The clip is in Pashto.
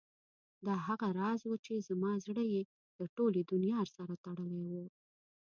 دا هغه راز و چې زما زړه یې له ټولې دنیا سره تړلی و.